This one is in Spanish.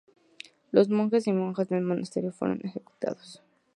Los monjes y monjas del monasterio fueron ejecutados.